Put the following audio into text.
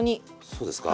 そうですか。